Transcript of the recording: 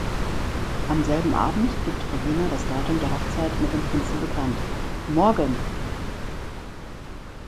Am selben Abend gibt Regina das Datum der Hochzeit mit dem Prinzen bekannt: Morgen!